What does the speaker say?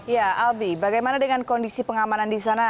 ya albi bagaimana dengan kondisi pengamanan di sana